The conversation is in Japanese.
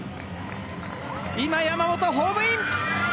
今、山本、ホームイン！